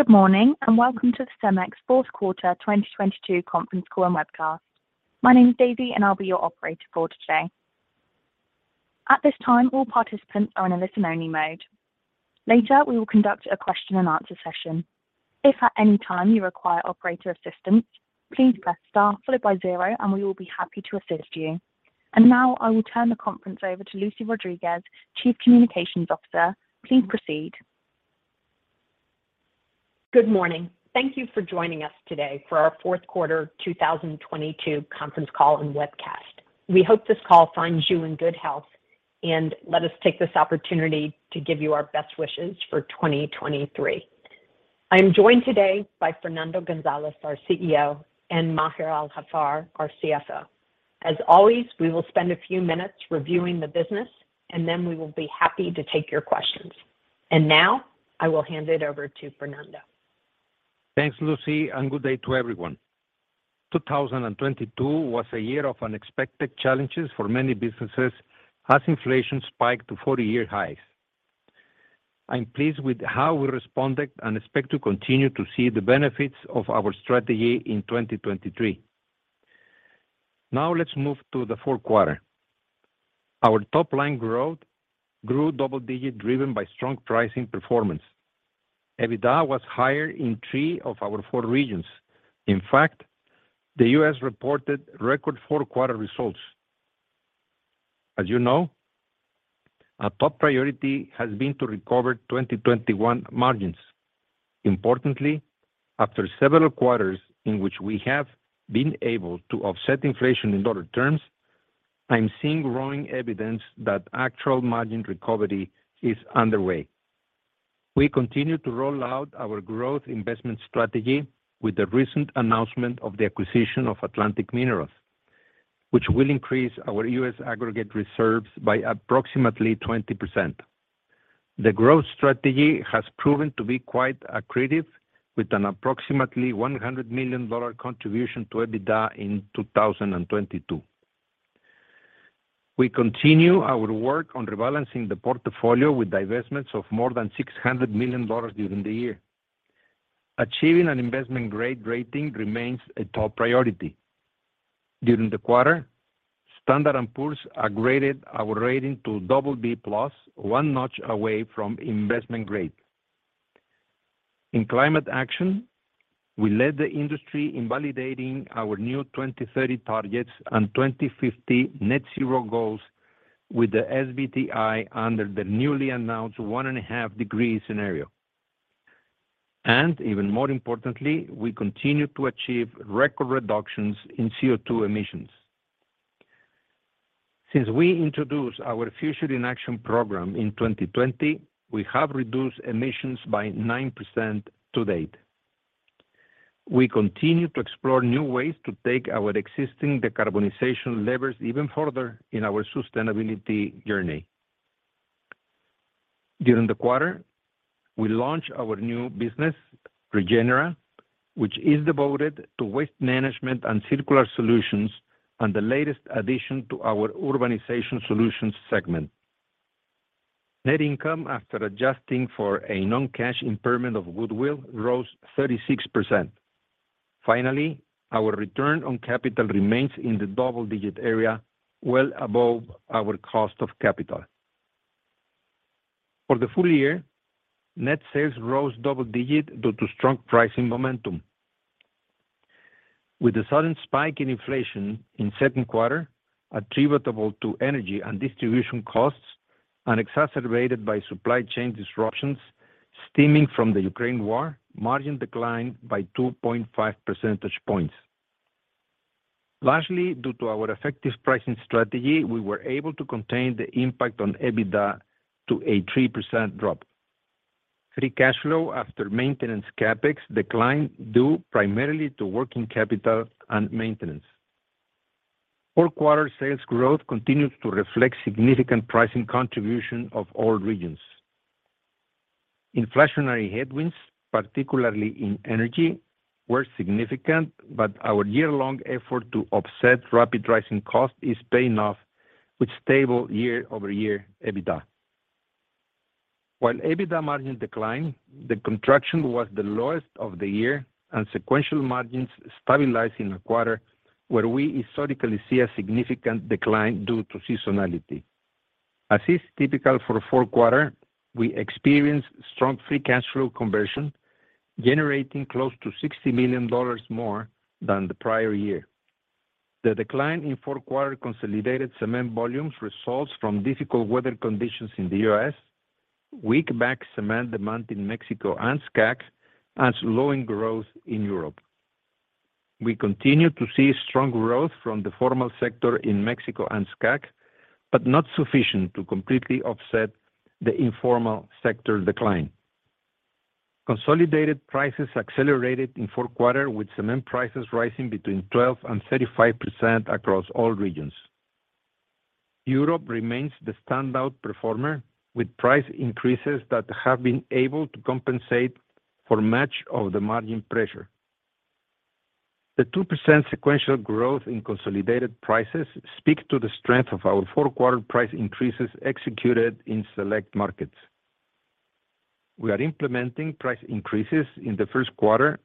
Good morning, welcome to the CEMEX Fourth Quarter 2022 Conference Call and Webcast. My name is Daisy, I'll be your operator for today. At this time, all participants are in a listen only mode. Later, we will conduct a question and answer session. If at any time you require operator assistance, please press star followed by zero and we will be happy to assist you. Now I will turn the conference over to Lucy Rodriguez, Chief Communications Officer. Please proceed. Good morning. Thank you for joining us today for our Fourth Quarter 2022 Conference Call and Webcast. We hope this call finds you in good health, and let us take this opportunity to give you our best wishes for 2023. I am joined today by Fernando Gonzalez, our CEO, and Maher Al-Haffar, our CFO. As always, we will spend a few minutes reviewing the business, and then we will be happy to take your questions. Now I will hand it over to Fernando. Thanks, Lucy. Good day to everyone. 2022 was a year of unexpected challenges for many businesses as inflation spiked to 40-year highs. I'm pleased with how we responded and expect to continue to see the benefits of our strategy in 2023. Let's move to the fourth quarter. Our top-line growth grew double digits driven by strong pricing performance. EBITDA was higher in three of our four regions. The U.S. reported record fourth quarter results. As you know, our top priority has been to recover 2021 margins. After several quarters in which we have been able to offset inflation in dollar terms, I'm seeing growing evidence that actual margin recovery is underway. We continue to roll out our growth investment strategy with the recent announcement of the acquisition of Atlantic Minerals, which will increase our U.S. aggregate reserves by approximately 20%. The growth strategy has proven to be quite accretive with an approximately $100 million contribution to EBITDA in 2022. We continue our work on rebalancing the portfolio with divestments of more than $600 million during the year. Achieving an investment-grade rating remains a top priority. During the quarter, Standard and Poor's upgraded our rating to BB+, one notch away from investment grade. In climate action, we led the industry in validating our new 2030 targets and 2050 net zero goals with the SBTI under the newly announced 1.5 degree scenario. Even more importantly, we continue to achieve record reductions in CO₂ emissions. Since we introduced our Future in Action program in 2020, we have reduced emissions by 9% to date. We continue to explore new ways to take our existing decarbonization levers even further in our sustainability journey. During the quarter, we launched our new business, Regenera, which is devoted to waste management and circular solutions and the latest addition to our Urbanization Solutions segment. Net income after adjusting for a non-cash impairment of goodwill rose 36%. Finally, our return on capital remains in the double-digit area, well above our cost of capital. For the full year, net sales rose double digit due to strong pricing momentum. With the sudden spike in inflation in second quarter attributable to energy and distribution costs and exacerbated by supply chain disruptions stemming from the Ukraine war, margin declined by 2.5 percentage points. Lastly, due to our effective pricing strategy, we were able to contain the impact on EBITDA to a 3% drop. Free cash flow after maintenance CapEx declined due primarily to working capital and maintenance. Fourth quarter sales growth continued to reflect significant pricing contribution of all regions. Inflationary headwinds, particularly in energy, were significant, but our year-long effort to offset rapid rising cost is paying off with stable year-over-year EBITDA. While EBITDA margin declined, the contraction was the lowest of the year and sequential margins stabilizing a quarter where we historically see a significant decline due to seasonality. As is typical for fourth quarter, we experienced strong free cash flow conversion, generating close to $60 million more than the prior year. The decline in fourth quarter consolidated cement volumes results from difficult weather conditions in the U.S., weak bag cement demand in Mexico and SCAC, and slowing growth in Europe. We continue to see strong growth from the formal sector in Mexico and SCAC, but not sufficient to completely offset the informal sector decline. Consolidated prices accelerated in fourth quarter with cement prices rising between 12% and 35% across all regions. Europe remains the standout performer, with price increases that have been able to compensate for much of the margin pressure. The 2% sequential growth in consolidated prices speak to the strength of our fourth quarter price increases executed in select markets. We are implementing price increases in the first quarter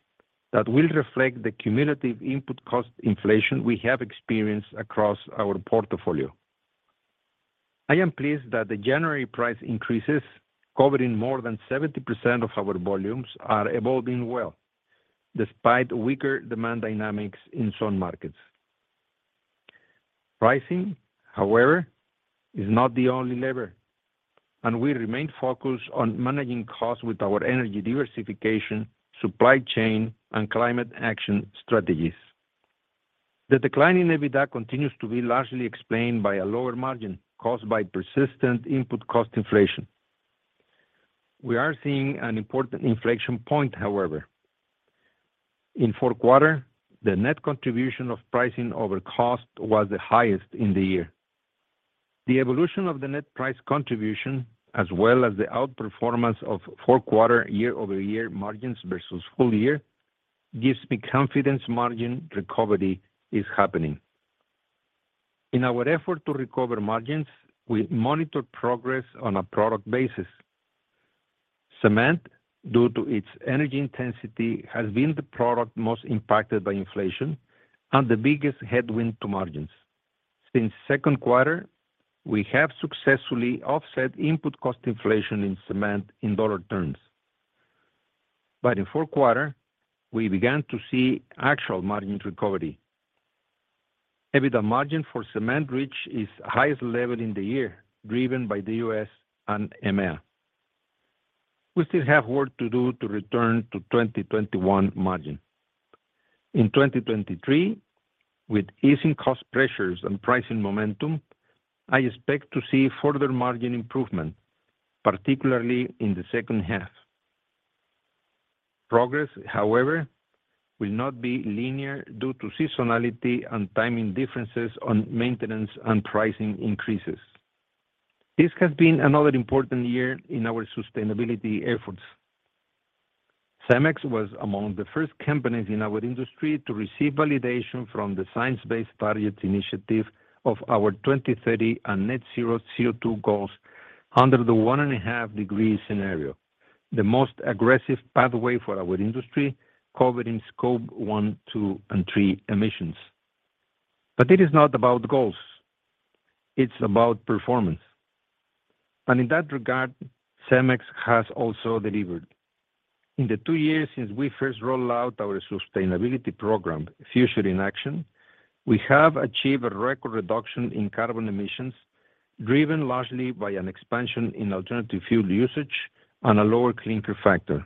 that will reflect the cumulative input cost inflation we have experienced across our portfolio. I am pleased that the January price increases, covering more than 70% of our volumes, are evolving well despite weaker demand dynamics in some markets. Pricing, however, is not the only lever, and we remain focused on managing costs with our energy diversification, supply chain, and climate action strategies. The decline in EBITDA continues to be largely explained by a lower margin caused by persistent input cost inflation. We are seeing an important inflection point, however. In fourth quarter, the net contribution of pricing over cost was the highest in the year. The evolution of the net price contribution, as well as the outperformance of fourth quarter year-over-year margins versus full year, gives me confidence margin recovery is happening. In our effort to recover margins, we monitor progress on a product basis. Cement, due to its energy intensity, has been the product most impacted by inflation and the biggest headwind to margins. Since second quarter, we have successfully offset input cost inflation in cement in dollar terms. In fourth quarter, we began to see actual margin recovery. EBITDA margin for cement reach its highest level in the year, driven by the U.S. and EMEA. We still have work to do to return to 2021 margin. In 2023, with easing cost pressures and pricing momentum, I expect to see further margin improvement, particularly in the second half. Progress, however, will not be linear due to seasonality and timing differences on maintenance and pricing increases. This has been another important year in our sustainability efforts. CEMEX was among the first companies in our industry to receive validation from the Science Based Targets initiative of our 2030 and net zero CO₂ goals under the 1.5 degree scenario, the most aggressive pathway for our industry, covering Scope 1, 2, and 3 emissions. It is not about goals, it's about performance. In that regard, CEMEX has also delivered. In the two years since we first rolled out our sustainability program, Future in Action, we have achieved a record reduction in carbon emissions, driven largely by an expansion in alternative fuel usage and a lower clinker factor.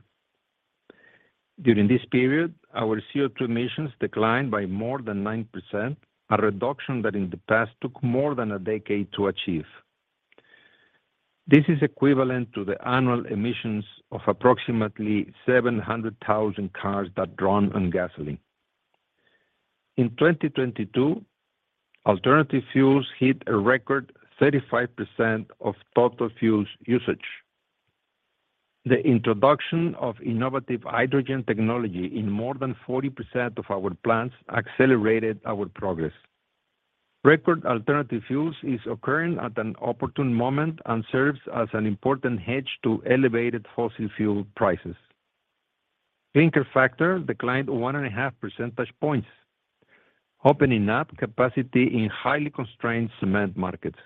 During this period, our CO₂ emissions declined by more than 9%, a reduction that in the past took more than a decade to achieve. This is equivalent to the annual emissions of approximately 700,000 cars that run on gasoline. In 2022, alternative fuels hit a record 35% of total fuels usage. The introduction of innovative hydrogen technology in more than 40% of our plants accelerated our progress. Record alternative fuels is occurring at an opportune moment and serves as an important hedge to elevated fossil fuel prices. Clinker factor declined 1.5 percentage points, opening up capacity in highly constrained cement markets.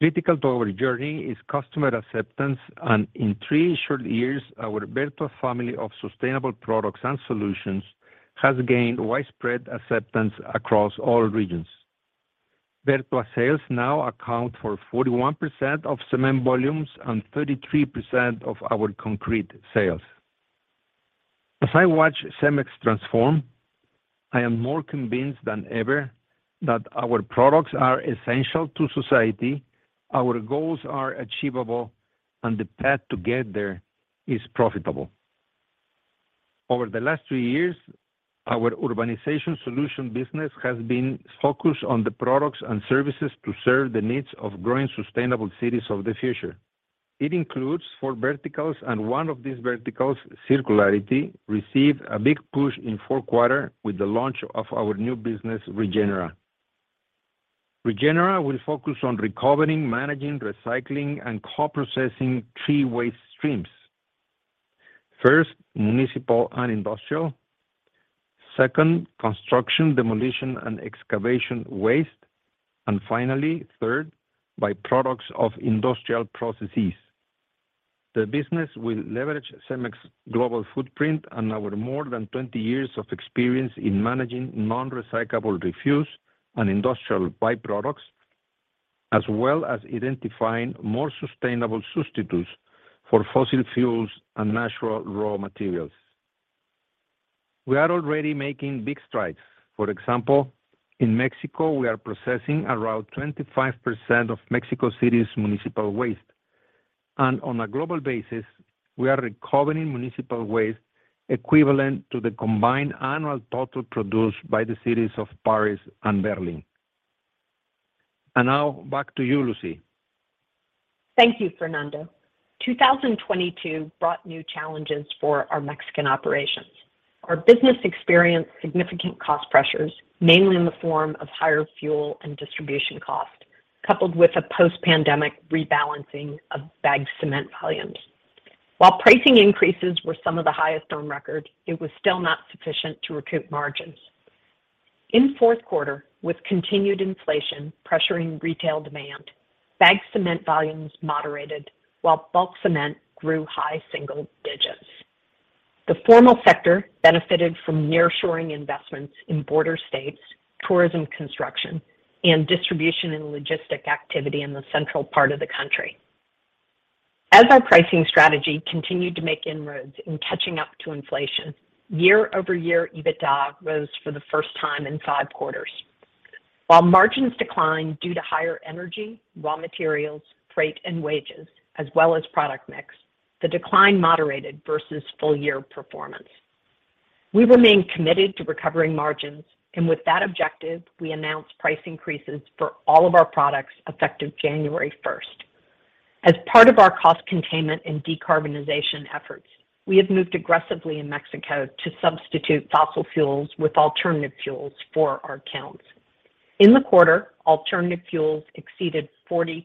Critical to our journey is customer acceptance, and in three short years, our Vertua family of sustainable products and solutions has gained widespread acceptance across all regions. Vertua sales now account for 41% of cement volumes and 33% of our concrete sales. As I watch CEMEX transform, I am more convinced than ever that our products are essential to society, our goals are achievable, and the path to get there is profitable. Over the last two years, our Urbanization Solutions business has been focused on the products and services to serve the needs of growing sustainable cities of the future. It includes four verticals, and one of these verticals, circularity, received a big push in fourth quarter with the launch of our new business, Regenera. Regenera will focus on recovering, managing, recycling, and coprocessing three waste streams. First, municipal and industrial. Second, construction, demolition, and excavation waste. Finally, third, byproducts of industrial processes. The business will leverage CEMEX global footprint and our more than 20 years of experience in managing non-recyclable refuse and industrial byproducts, as well as identifying more sustainable substitutes for fossil fuels and natural raw materials. We are already making big strides. For example, in Mexico, we are processing around 25% of Mexico City's municipal waste. On a global basis, we are recovering municipal waste equivalent to the combined annual total produced by the cities of Paris and Berlin. Now back to you, Lucy. Thank you, Fernando. 2022 brought new challenges for our Mexican operations. Our business experienced significant cost pressures, mainly in the form of higher fuel and distribution costs, coupled with a post-pandemic rebalancing of bagged cement volumes. While pricing increases were some of the highest on record, it was still not sufficient to recoup margins. In fourth quarter, with continued inflation pressuring retail demand, bagged cement volumes moderated while bulk cement grew high single digits. The formal sector benefited from nearshoring investments in border states, tourism construction, and distribution and logistic activity in the central part of the country. As our pricing strategy continued to make inroads in catching up to inflation, year-over-year EBITDA rose for the first time in five quarters. While margins declined due to higher energy, raw materials, freight, and wages, as well as product mix, the decline moderated versus full year performance. We remain committed to recovering margins, and with that objective, we announced price increases for all of our products effective January 1st. As part of our cost containment and decarbonization efforts, we have moved aggressively in Mexico to substitute fossil fuels with alternative fuels for our kilns. In the quarter, alternative fuels exceeded 40%,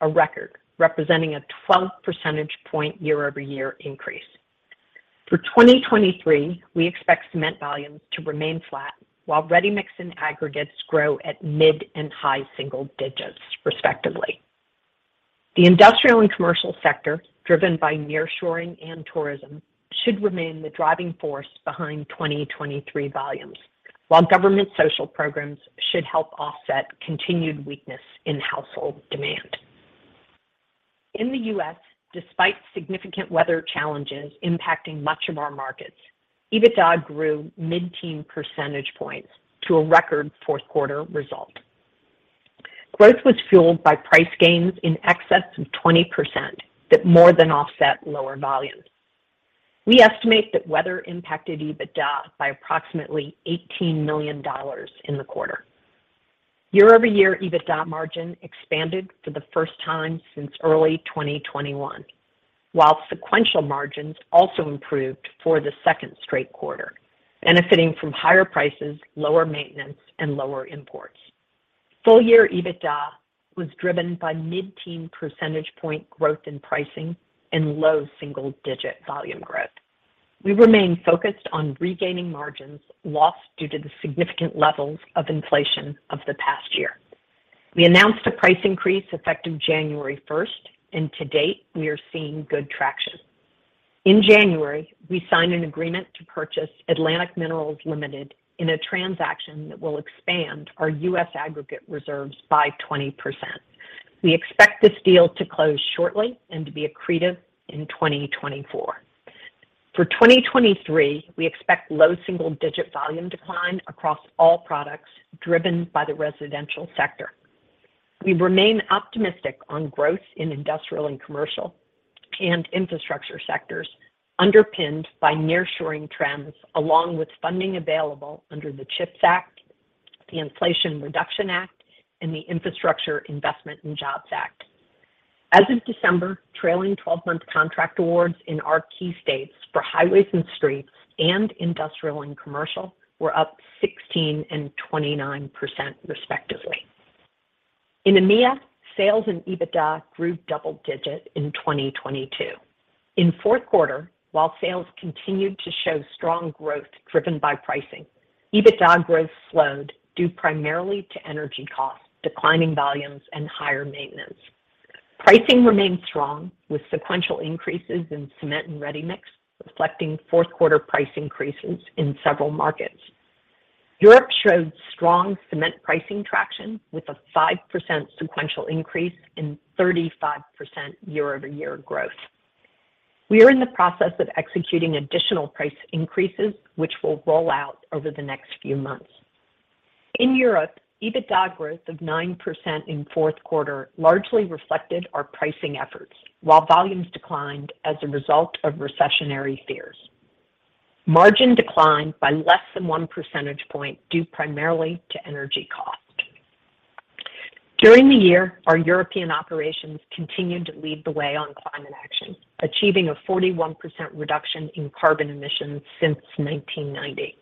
a record representing a 12 percentage point year-over-year increase. For 2023, we expect cement volumes to remain flat while ready-mix and aggregates grow at mid and high single digits, respectively. The industrial and commercial sector, driven by nearshoring and tourism, should remain the driving force behind 2023 volumes, while government social programs should help offset continued weakness in household demand. In the U.S., despite significant weather challenges impacting much of our markets, EBITDA grew mid-teen percentage points to a record fourth quarter result. Growth was fueled by price gains in excess of 20% that more than offset lower volumes. We estimate that weather impacted EBITDA by approximately $18 million in the quarter. Year-over-year EBITDA margin expanded for the first time since early 2021, while sequential margins also improved for the second straight quarter, benefiting from higher prices, lower maintenance, and lower imports. Full year EBITDA was driven by mid-teen percentage point growth in pricing and low single-digit volume growth. We remain focused on regaining margins lost due to the significant levels of inflation of the past year. We announced a price increase effective January 1st. To date, we are seeing good traction. In January, we signed an agreement to purchase Atlantic Minerals Limited in a transaction that will expand our U.S. aggregate reserves by 20%. We expect this deal to close shortly and to be accretive in 2024. For 2023, we expect low single-digit volume decline across all products driven by the residential sector. We remain optimistic on growth in industrial and commercial and infrastructure sectors, underpinned by nearshoring trends, along with funding available under the CHIPS Act, the Inflation Reduction Act, and the Infrastructure Investment and Jobs Act. As of December, trailing twelve-month contract awards in our key states for highways and streets and industrial and commercial were up 16% and 29%, respectively. In EMEA, sales and EBITDA grew double digit in 2022. In fourth quarter, while sales continued to show strong growth driven by pricing, EBITDA growth slowed due primarily to energy costs, declining volumes, and higher maintenance. Pricing remained strong with sequential increases in cement and ready-mix, reflecting fourth quarter price increases in several markets. Europe showed strong cement pricing traction with a 5% sequential increase in 35% year-over-year growth. We are in the process of executing additional price increases, which will roll out over the next few months. In Europe, EBITDA growth of 9% in fourth quarter largely reflected our pricing efforts, while volumes declined as a result of recessionary fears. Margin declined by less than 1 percentage point, due primarily to energy cost. During the year, our European operations continued to lead the way on climate action, achieving a 41% reduction in carbon emissions since 1990.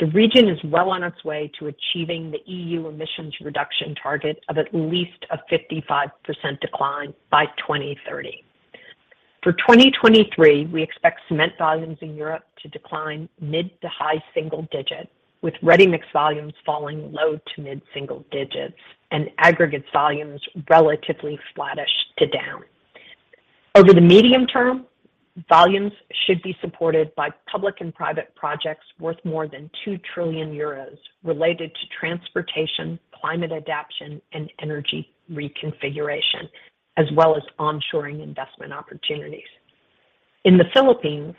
The region is well on its way to achieving the EU emissions reduction target of at least a 55% decline by 2030. For 2023, we expect cement volumes in Europe to decline mid-to-high single-digit, with ready-mix volumes falling low-to-mid single digits and aggregates volumes relatively flattish to down. Over the medium term, volumes should be supported by public and private projects worth more than 2 trillion euros related to transportation, climate adaptation, and energy reconfiguration, as well as onshoring investment opportunities. In the Philippines,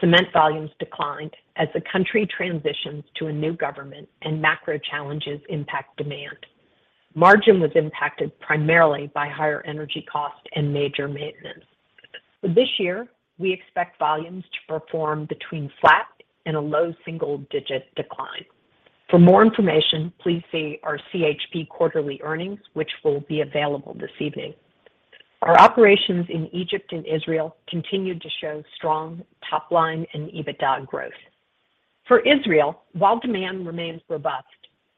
cement volumes declined as the country transitions to a new government and macro challenges impact demand. Margin was impacted primarily by higher energy costs and major maintenance. This year, we expect volumes to perform between flat and a low single-digit decline. For more information, please see our CHP quarterly earnings, which will be available this evening. Our operations in Egypt and Israel continued to show strong top line and EBITDA growth. For Israel, while demand remains robust,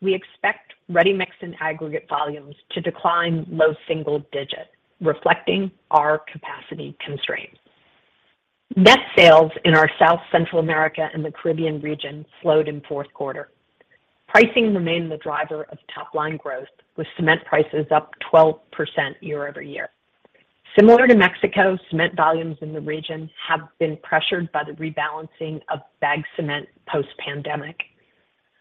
we expect ready-mix and aggregate volumes to decline low single digit, reflecting our capacity constraints. Net sales in our South, Central America and the Caribbean region slowed in fourth quarter. Pricing remained the driver of top-line growth, with cement prices up 12% year-over-year. Similar to Mexico, cement volumes in the region have been pressured by the rebalancing of bag cement post-pandemic.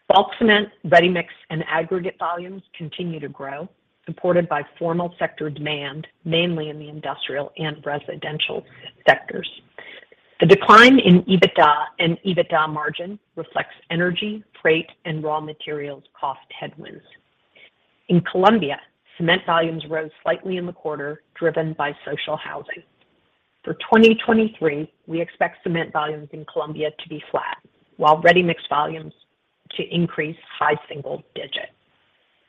Bulk cement, ready-mix, and aggregate volumes continue to grow, supported by formal sector demand, mainly in the industrial and residential sectors. The decline in EBITDA and EBITDA margin reflects energy, freight, and raw materials cost headwinds. In Colombia, cement volumes rose slightly in the quarter, driven by social housing. For 2023, we expect cement volumes in Colombia to be flat, while ready-mix volumes to increase high single digit.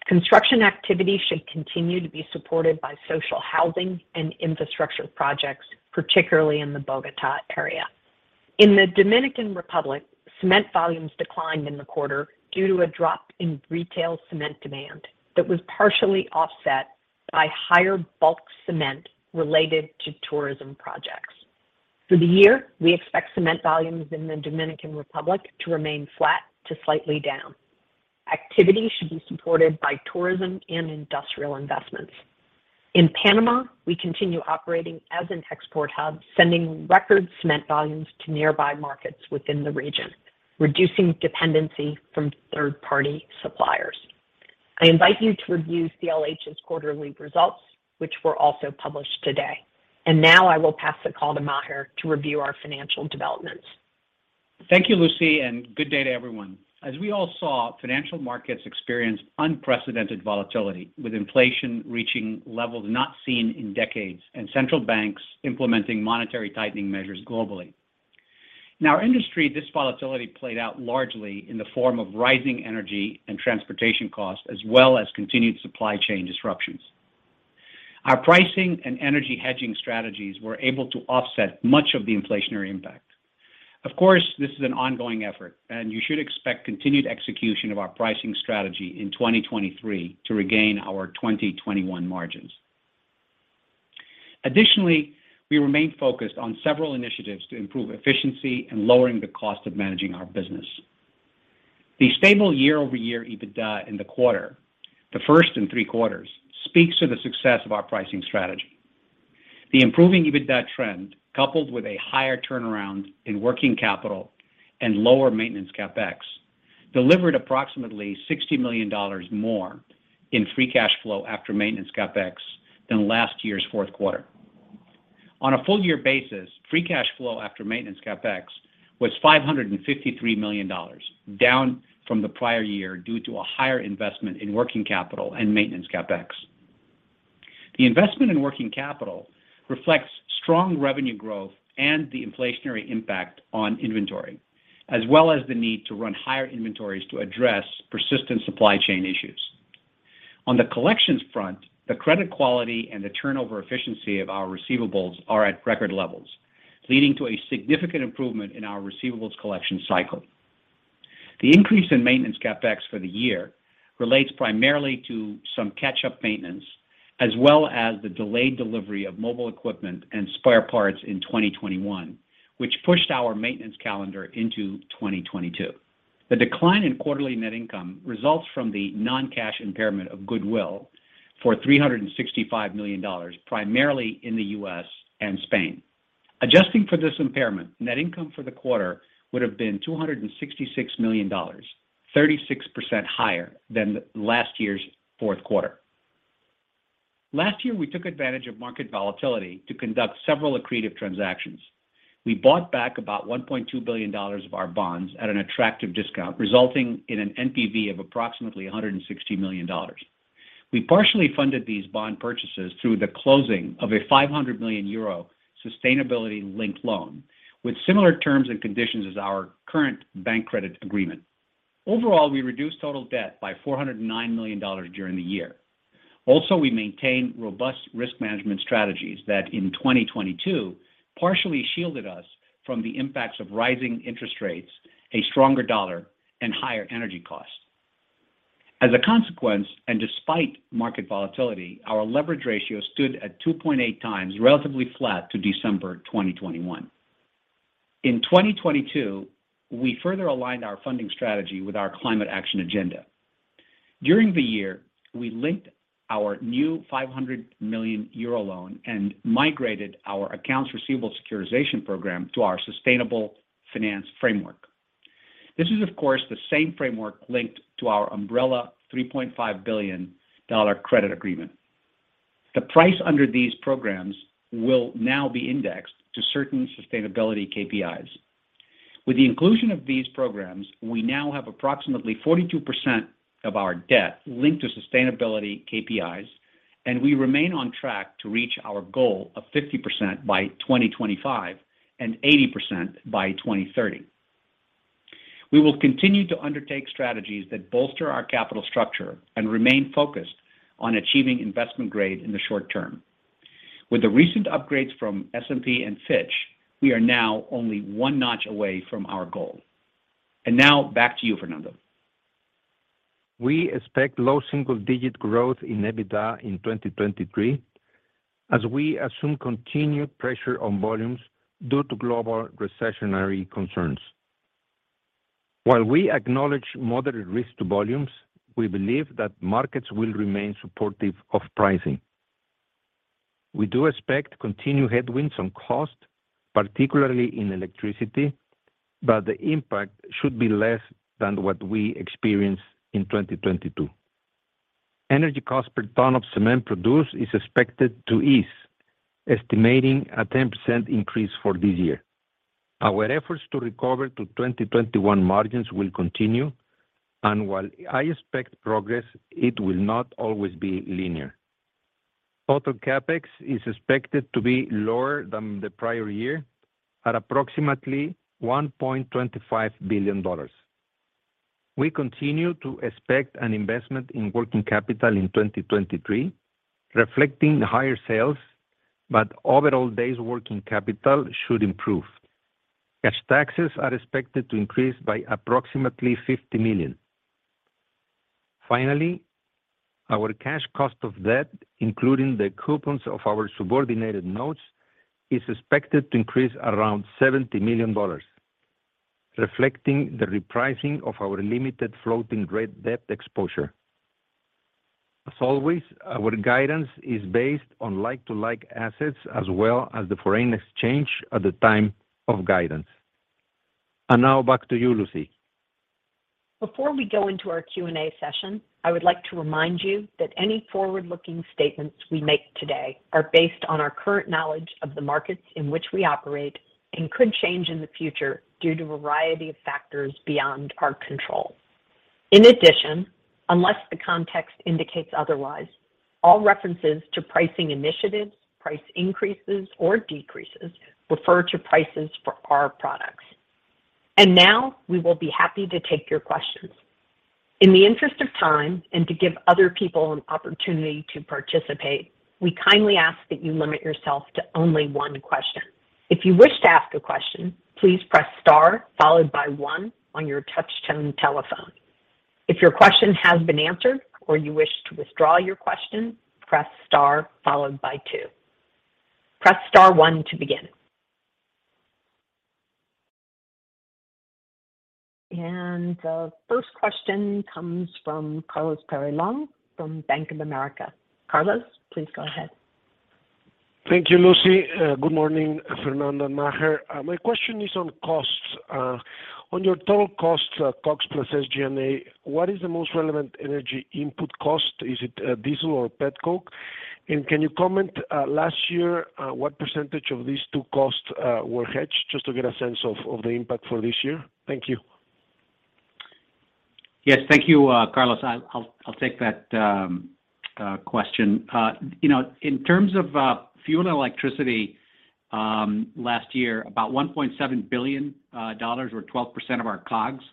Construction activity should continue to be supported by social housing and infrastructure projects, particularly in the Bogotá area. In the Dominican Republic, cement volumes declined in the quarter due to a drop in retail cement demand that was partially offset by higher bulk cement related to tourism projects. For the year, we expect cement volumes in the Dominican Republic to remain flat to slightly down. Activity should be supported by tourism and industrial investments. In Panama, we continue operating as an export hub, sending record cement volumes to nearby markets within the region, reducing dependency from third-party suppliers. I invite you to review CLH's quarterly results, which were also published today. Now I will pass the call to Maher to review our financial developments. Thank you, Lucy. Good day to everyone. As we all saw, financial markets experienced unprecedented volatility, with inflation reaching levels not seen in decades and central banks implementing monetary tightening measures globally. In our industry, this volatility played out largely in the form of rising energy and transportation costs, as well as continued supply chain disruptions. Our pricing and energy hedging strategies were able to offset much of the inflationary impact. Of course, this is an ongoing effort, and you should expect continued execution of our pricing strategy in 2023 to regain our 2021 margins. We remain focused on several initiatives to improve efficiency and lowering the cost of managing our business. The stable year-over-year EBITDA in the quarter, the first in three quarters, speaks to the success of our pricing strategy. The improving EBITDA trend, coupled with a higher turnaround in working capital and lower maintenance CapEx, delivered approximately $60 million more in free cash flow after maintenance CapEx than last year's fourth quarter. On a full year basis, free cash flow after maintenance CapEx was $553 million, down from the prior year due to a higher investment in working capital and maintenance CapEx. The investment in working capital reflects strong revenue growth and the inflationary impact on inventory, as well as the need to run higher inventories to address persistent supply chain issues. On the collections front, the credit quality and the turnover efficiency of our receivables are at record levels, leading to a significant improvement in our receivables collection cycle. The increase in maintenance CapEx for the year relates primarily to some catch-up maintenance, as well as the delayed delivery of mobile equipment and spare parts in 2021, which pushed our maintenance calendar into 2022. The decline in quarterly net income results from the non-cash impairment of goodwill for $365 million, primarily in the U.S. and Spain. Adjusting for this impairment, net income for the quarter would have been $266 million, 36% higher than last year's fourth quarter. Last year, we took advantage of market volatility to conduct several accretive transactions. We bought back about $1.2 billion of our bonds at an attractive discount, resulting in an NPV of approximately $160 million. We partially funded these bond purchases through the closing of a 500 million euro sustainability-linked loan with similar terms and conditions as our current bank credit agreement. Overall, we reduced total debt by $409 million during the year. We maintained robust risk management strategies that in 2022 partially shielded us from the impacts of rising interest rates, a stronger dollar, and higher energy costs. Despite market volatility, our leverage ratio stood at 2.8x, relatively flat to December 2021. In 2022, we further aligned our funding strategy with our climate action agenda. During the year, we linked our new 500 million euro loan and migrated our Accounts Receivable Securitization Program to our Sustainability-Linked Financing Framework. This is, of course, the same framework linked to our umbrella $3.5 billion credit agreement. The price under these programs will now be indexed to certain sustainability KPIs. With the inclusion of these programs, we now have approximately 42% of our debt linked to sustainability KPIs, we remain on track to reach our goal of 50% by 2025 and 80% by 2030. We will continue to undertake strategies that bolster our capital structure and remain focused on achieving investment grade in the short term. With the recent upgrades from S&P and Fitch, we are now only one notch away from our goal. Now back to you, Fernando. We expect low single-digit growth in EBITDA in 2023, as we assume continued pressure on volumes due to global recessionary concerns. While we acknowledge moderate risk to volumes, we believe that markets will remain supportive of pricing. We do expect continued headwinds on cost, particularly in electricity, the impact should be less than what we experienced in 2022. Energy cost per ton of cement produced is expected to ease, estimating a 10% increase for this year. Our efforts to recover to 2021 margins will continue, while I expect progress, it will not always be linear. Total CapEx is expected to be lower than the prior year at approximately $1.25 billion. We continue to expect an investment in working capital in 2023, reflecting higher sales, overall days working capital should improve. Cash taxes are expected to increase by approximately $50 million. Our cash cost of debt, including the coupons of our subordinated notes, is expected to increase around $70 million, reflecting the repricing of our limited floating rate debt exposure. As always, our guidance is based on like-to-like assets as well as the foreign exchange at the time of guidance. Now back to you, Lucy. Before we go into our Q&A session, I would like to remind you that any forward-looking statements we make today are based on our current knowledge of the markets in which we operate and could change in the future due to a variety of factors beyond our control. In addition, unless the context indicates otherwise, all references to pricing initiatives, price increases or decreases refer to prices for our products. Now, we will be happy to take your questions. In the interest of time and to give other people an opportunity to participate, we kindly ask that you limit yourself to only one question. If you wish to ask a question, please press star followed by one on your touch-tone telephone. If your question has been answered or you wish to withdraw your question, press star followed by two. Press star one to begin. The first question comes from Carlos Peyrelongue from Bank of America. Carlos, please go ahead. Thank you, Lucy. Good morning, Fernando and Maher. My question is on costs. On your total costs, COGS plus SG&A, what is the most relevant energy input cost? Is it diesel or petcoke? Can you comment, last year, what percentage of these two costs were hedged, just to get a sense of the impact for this year? Thank you. Yes. Thank you, Carlos. I'll take that question. You know, in terms of fuel and electricity, last year, about $1.7 billion or 12% of our COGS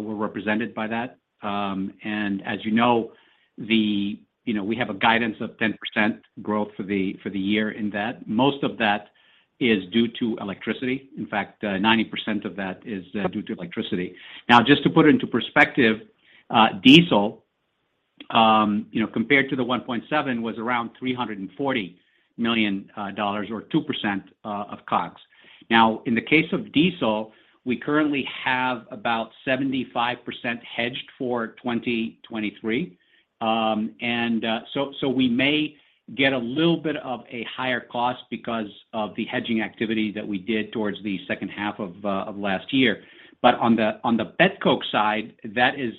were represented by that. As you know, you know, we have a guidance of 10% growth for the year in that. Most of that is due to electricity. In fact, 90% of that is due to electricity. Just to put it into perspective, diesel, you know, compared to the 1.7, was around $340 million or 2% of COGS. In the case of diesel, we currently have about 75% hedged for 2023. We may get a little bit of a higher cost because of the hedging activity that we did towards the second half of last year. On the petcoke side, that is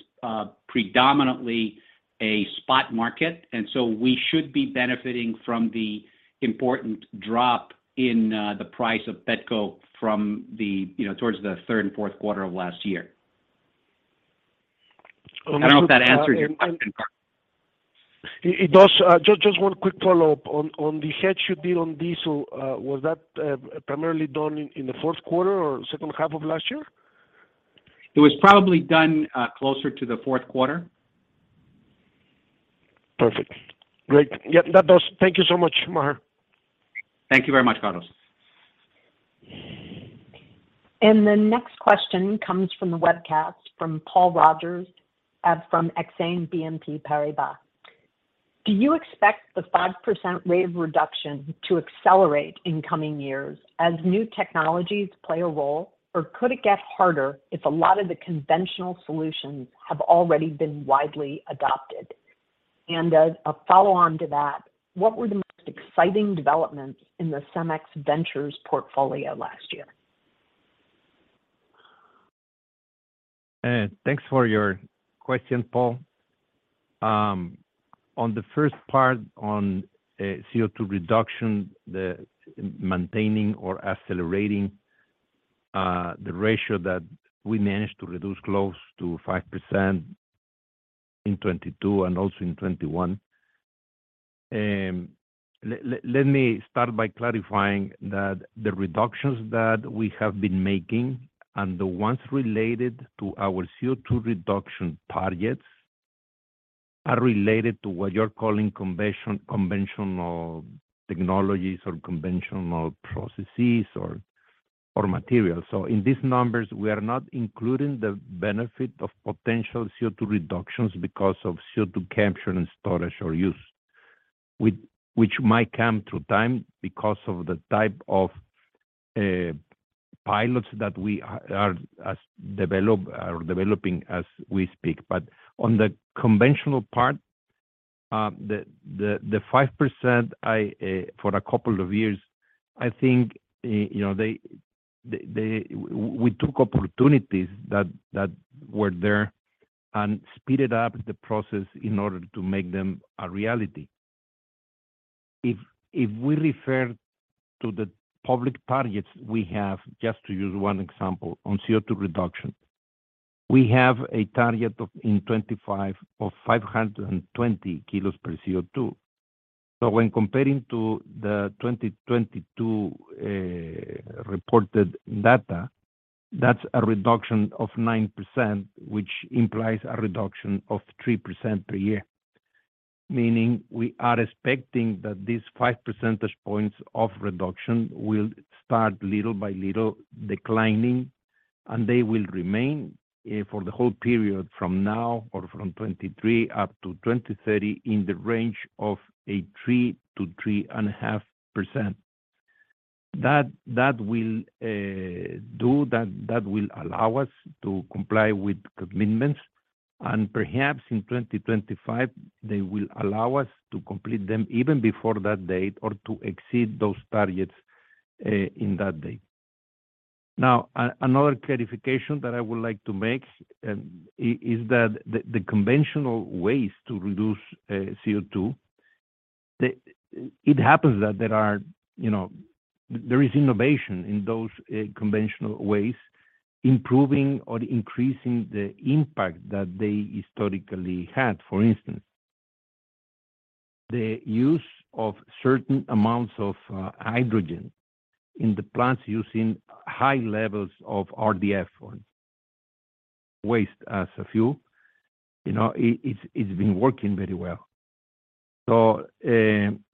predominantly a spot market, we should be benefiting from the important drop in the price of petcoke towards the third and fourth quarter of last year. I don't know if that answered your question, Carlos. It does. Just one quick follow-up. On the hedge you did on diesel, was that primarily done in the fourth quarter or second half of last year? It was probably done closer to the fourth quarter. Perfect. Great. Yeah, that does. Thank you so much, Maher. Thank you very much, Carlos. The next question comes from the webcast from Paul Roger from Exane BNP Paribas. Do you expect the 5% rate of reduction to accelerate in coming years as new technologies play a role, or could it get harder if a lot of the conventional solutions have already been widely adopted? As a follow-on to that, what were the most exciting developments in the Cemex Ventures portfolio last year? Thanks for your question, Paul. On the first part on CO₂ reduction, the maintaining or accelerating the ratio that we managed to reduce close to 5% in 2022 and also in 2021. Let me start by clarifying that the reductions that we have been making and the ones related to our CO₂ reduction targets are related to what you're calling conventional technologies or conventional processes or materials. In these numbers, we are not including the benefit of potential CO₂ reductions because of CO₂ capture and storage or use, which might come through time because of the type of pilots that we are developing as we speak. On the conventional part, the 5% for a couple of years, I think, you know. We took opportunities that were there and speeded up the process in order to make them a reality. If we refer to the public targets we have, just to use one example, on CO₂ reduction, we have a target of in 25 of 520 kg per CO₂. When comparing to the 2022, reported data, that's a reduction of 9%, which implies a reduction of 3% per year, meaning we are expecting that these 5 percentage points of reduction will start little by little declining, and they will remain for the whole period from now or from 2023 up to 2030 in the range of a 3%-3.5%. That will allow us to comply with commitments. Perhaps in 2025, they will allow us to complete them even before that date or to exceed those targets in that date. Another clarification that I would like to make is that the conventional ways to reduce CO₂. It happens that there are, you know, there is innovation in those conventional ways, improving or increasing the impact that they historically had. For instance, the use of certain amounts of hydrogen in the plants using high levels of RDF waste as a fuel. You know, it's been working very well.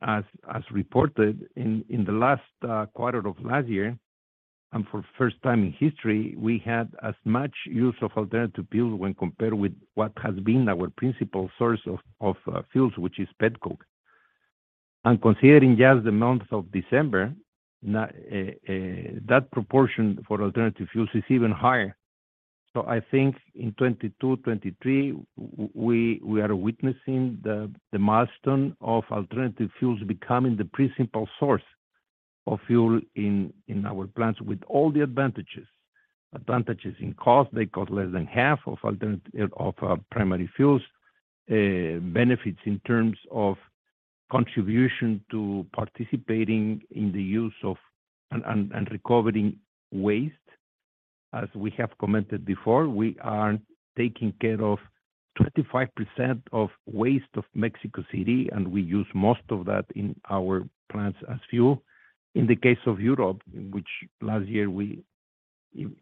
As reported in the last quarter of last year, and for first time in history, we had as much use of alternative fuel when compared with what has been our principal source of fuels, which is petcoke. Considering just the month of December, that proportion for alternative fuels is even higher. I think in 2022, 2023, we are witnessing the milestone of alternative fuels becoming the principal source of fuel in our plants with all the advantages. Advantages in cost, they cost less than half of primary fuels. Benefits in terms of contribution to participating in the use of and recovering waste. As we have commented before, we are taking care of 25% of waste of Mexico City, and we use most of that in our plants as fuel. In the case of Europe, which last year we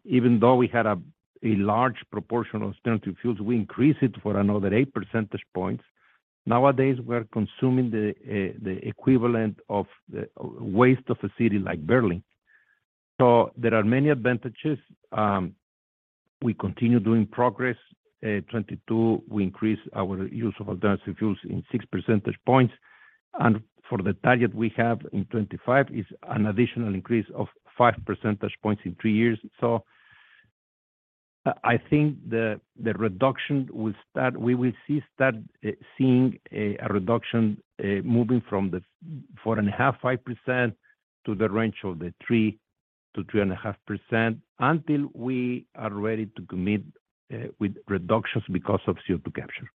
even though we had a large proportion of alternative fuels, we increased it for another 8 percentage points. Nowadays, we're consuming the equivalent of the waste of a city like Berlin. There are many advantages. We continue doing progress. 2022, we increased our use of alternative fuels in 6 percentage points, for the target we have in 2025 is an additional increase of 5 percentage points in three years. I think the reduction will start seeing a reduction moving from the 4.5%-5% to the range of the 3%-3.5% until we are ready to commit with reductions because of CO₂ capture.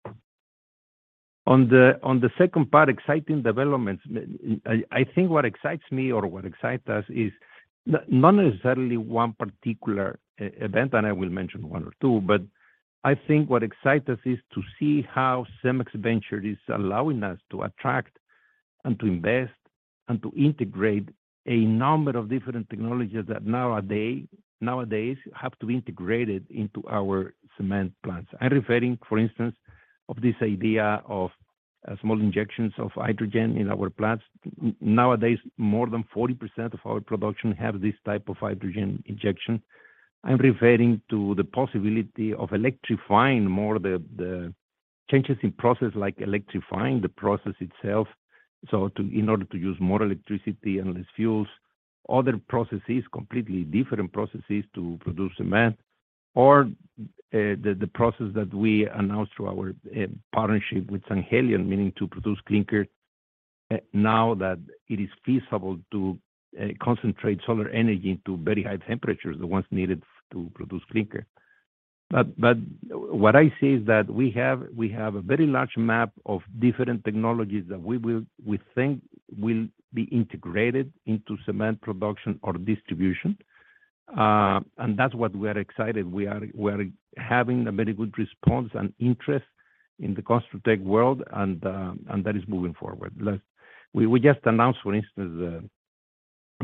On the second part, exciting developments. I think what excites me or what excites us is not necessarily one particular event, and I will mention one or two, but I think what excites us is to see how Cemex Ventures is allowing us to attract and to invest and to integrate a number of different technologies that nowadays have to be integrated into our cement plants. I'm referring, for instance, of this idea of small injections of hydrogen in our plants. Nowadays, more than 40% of our production have this type of hydrogen injection. I'm referring to the possibility of electrifying more the changes in process, like electrifying the process itself, in order to use more electricity and less fuels. Other processes, completely different processes to produce cement or the process that we announced through our partnership with Synhelion, meaning to produce clinker. Now that it is feasible to concentrate solar energy into very high temperatures, the ones needed to produce clinker. What I see is that we have a very large map of different technologies that we think will be integrated into cement production or distribution. That's what we are excited. We are having a very good response and interest in the Constructech world, and that is moving forward. We just announced, for instance,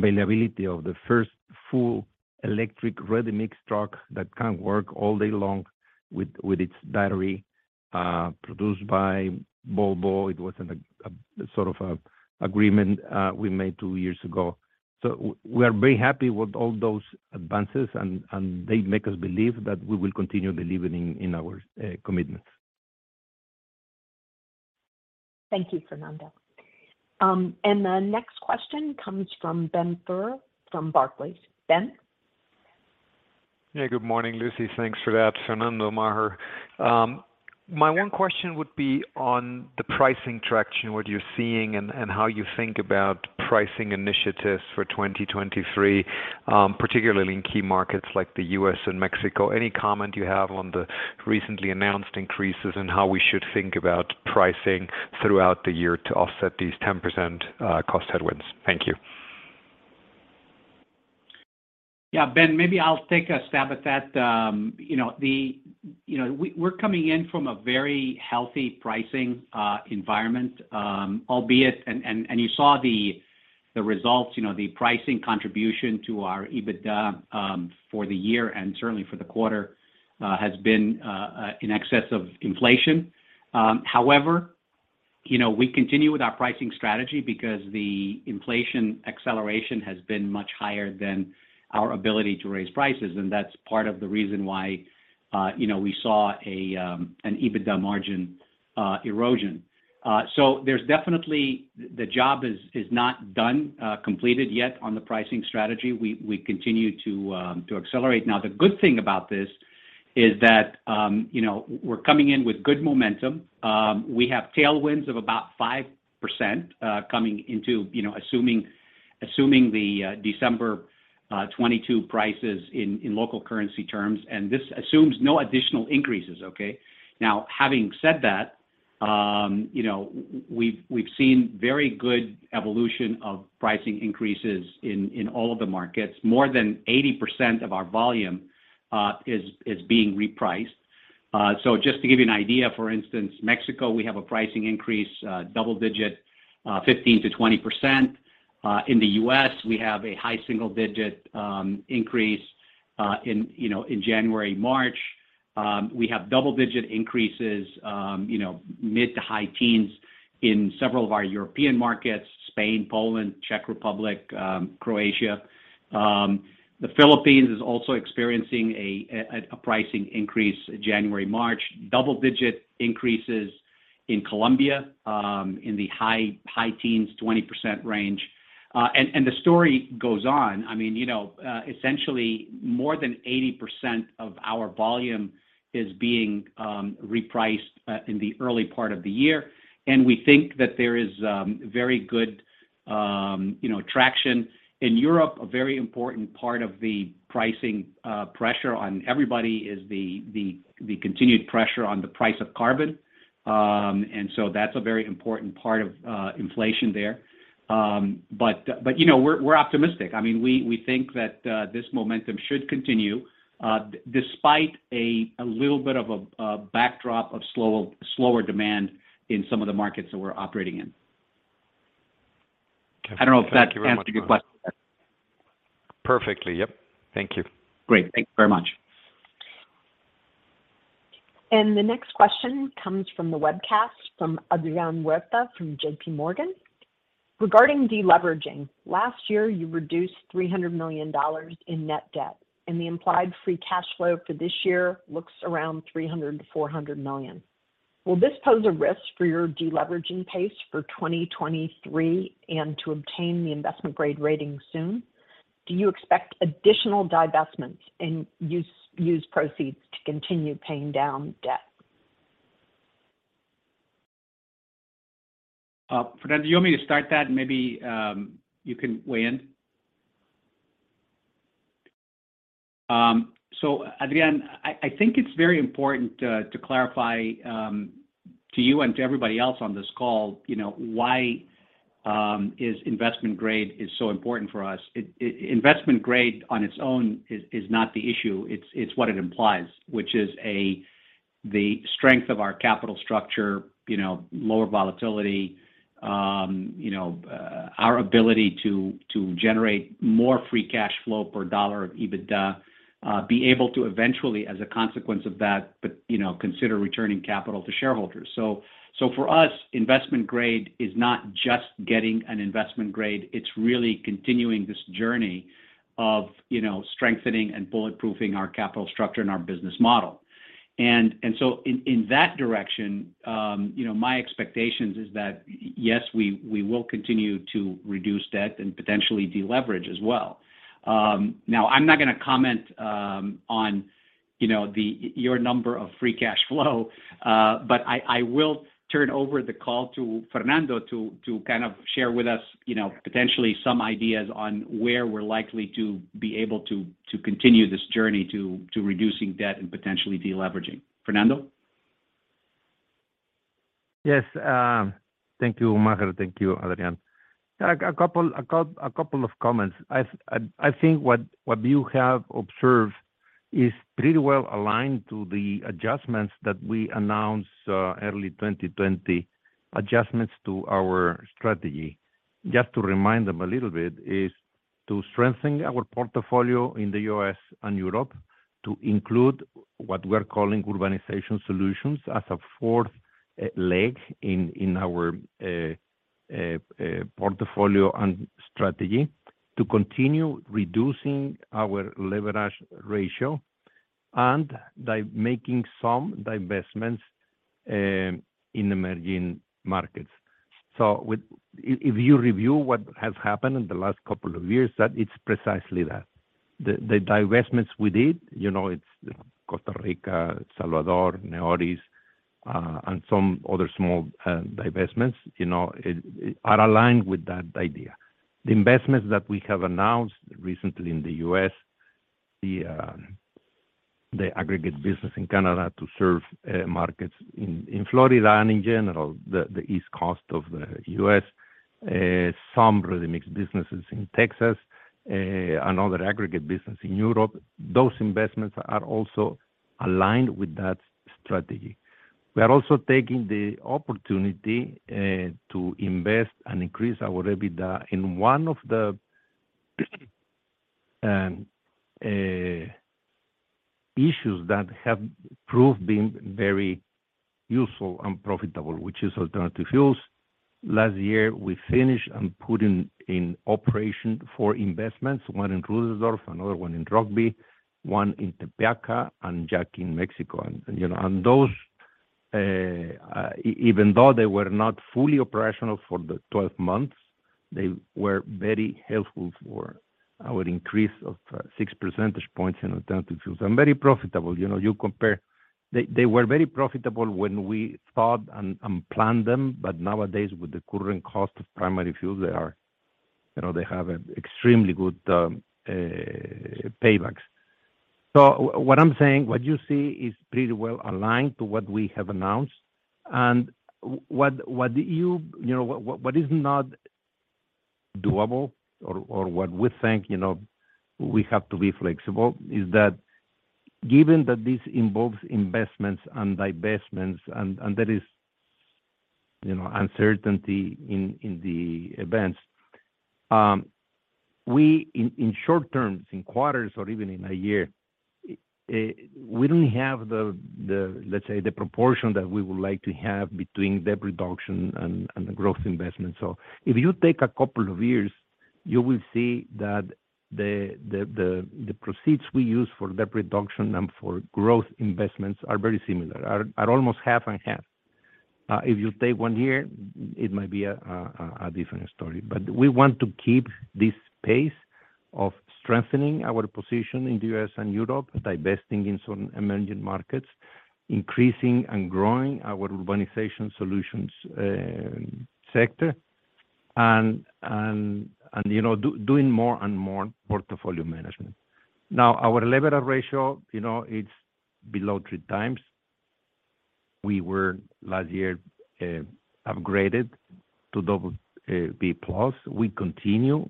the availability of the first full electric ready-mix truck that can work all day long with its battery, produced by Volvo. It was in a sort of agreement we made two years ago. We are very happy with all those advances, and they make us believe that we will continue delivering in our commitments. Thank you, Fernando. The next question comes from Ben Theurer from Barclays. Ben? Yeah, good morning, Lucy. Thanks for that. Fernando, Maher. My one question would be on the pricing traction, what you're seeing and how you think about pricing initiatives for 2023, particularly in key markets like the U.S. and Mexico. Any comment you have on the recently announced increases and how we should think about pricing throughout the year to offset these 10% cost headwinds? Thank you. Yeah, Ben, maybe I'll take a stab at that. You know, we're coming in from a very healthy pricing environment, albeit, and you saw the results, you know, the pricing contribution to our EBITDA for the year and certainly for the quarter, has been in excess of inflation. However, you know, we continue with our pricing strategy because the inflation acceleration has been much higher than our ability to raise prices, and that's part of the reason why, you know, we saw an EBITDA margin erosion. There's definitely the job is not done completed yet on the pricing strategy. We continue to accelerate. The good thing about this is that, you know, we're coming in with good momentum. We have tailwinds of about 5%, coming into, you know, assuming the December 2022 prices in local currency terms, and this assumes no additional increases, okay? Now, having said that, you know, we've seen very good evolution of pricing increases in all of the markets. More than 80% of our volume is being repriced. So just to give you an idea, for instance, Mexico, we have a pricing increase, double-digit, 15%-20%. In the U.S., we have a high single-digit increase, in, you know, in January, March. We have double-digit increases, you know, mid to high teens in several of our European markets, Spain, Poland, Czech Republic, Croatia. The Philippines is also experiencing a pricing increase January, March. Double-digit increases in Colombia, in the high teens, 20% range. The story goes on. I mean, you know, essentially, more than 80% of our volume is being repriced in the early part of the year. We think that there is very good, you know, traction. In Europe, a very important part of the pricing pressure on everybody is the continued pressure on the price of carbon. That's a very important part of inflation there. You know, we're optimistic. I mean, we think that this momentum should continue despite a little bit of a backdrop of slow, slower demand in some of the markets that we're operating in. I don't know if that answers your question. Perfectly. Yep. Thank you. Great. Thank you very much. The next question comes from the webcast from Adrian Huerta from JPMorgan. Regarding deleveraging, last year you reduced $300 million in net debt, and the implied free cash flow for this year looks around $300 million-$400 million. Will this pose a risk for your deleveraging pace for 2023 and to obtain the investment grade rating soon? Do you expect additional divestments and use proceeds to continue paying down debt? Fernando, do you want me to start that? Maybe, you can weigh in. Adrian, I think it's very important to clarify to you and to everybody else on this call, you know, why is investment grade so important for us. Investment grade on its own is not the issue. It's what it implies, which is the strength of our capital structure, you know, lower volatility, you know, our ability to generate more free cash flow per dollar of EBITDA, be able to eventually, as a consequence of that, you know, consider returning capital to shareholders. So for us, investment grade is not just getting an investment grade, it's really continuing this journey of, you know, strengthening and bulletproofing our capital structure and our business model. In that direction, you know, my expectations is that yes, we will continue to reduce debt and potentially deleverage as well. Now, I'm not gonna comment on, you know, your number of free cash flow, but I will turn over the call to Fernando to kind of share with us, you know, potentially some ideas on where we're likely to be able to continue this journey to reducing debt and potentially de-leveraging. Fernando? Yes. Thank you, Maher. Thank you, Adrian. A couple of comments. I think what you have observed is pretty well aligned to the adjustments that we announced early 2020, adjustments to our strategy. Just to remind them a little bit is to strengthen our portfolio in the U.S. and Europe to include what we're calling Urbanization Solutions as a fourth leg in our portfolio and strategy to continue reducing our leverage ratio and making some divestments in emerging markets. If you review what has happened in the last couple of years, that it's precisely that. The divestments we did, you know, it's Costa Rica, El Salvador, NEORIS, and some other small divestments, you know, it are aligned with that idea. The investments that we have announced recently in the U.S., the aggregate business in Canada to serve markets in Florida and in general, the East Coast of the U.S., some ready-mix businesses in Texas, another aggregate business in Europe, those investments are also aligned with that strategy. We are also taking the opportunity to invest and increase our EBITDA in one of the issues that have proved being very useful and profitable, which is alternative fuels. Last year, we finished and put in operation four investments, one in Rüdersdorf, another one in Rugby, one in Tepeaca, and Jacob in Mexico. You know, those, even though they were not fully operational for the 12 months, they were very helpful for our increase of six percentage points in alternative fuels and very profitable. You know, you compare. They were very profitable when we thought and planned them, but nowadays with the current cost of primary fuels, they are, you know, they have an extremely good paybacks. What I'm saying, what you see is pretty well aligned to what we have announced. What you know, what is not doable or what we think, you know, we have to be flexible, is that given that this involves investments and divestments and there is, you know, uncertainty in the events, we in short terms, in quarters or even in a year, we don't have the, let's say, the proportion that we would like to have between debt reduction and growth investment. If you take a couple of years, you will see that the proceeds we use for debt reduction and for growth investments are very similar, are almost half and half. If you take 1 year, it might be a different story. We want to keep this pace of strengthening our position in the U.S. and Europe, divesting in some emerging markets, increasing and growing our Urbanization Solutions sector and, you know, doing more and more portfolio management. Now, our leverage ratio, you know, it's below 3x. We were last year upgraded to BB+. We continue